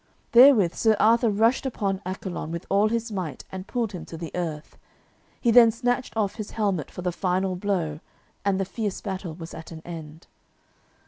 Therewith Sir Arthur rushed upon Accolon with all his might and pulled him to the earth. He then snatched off his helmet for the final blow, and the fierce battle was at an end.